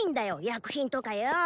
薬品とかよ。